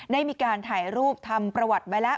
ได้มีการถ่ายรูปทำประวัติไว้แล้ว